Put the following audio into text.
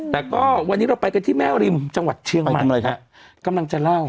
แต่ก็วันนี้เราไปกันที่แม่ริมจังหวัดเชียงใหม่กำลังจะเล่า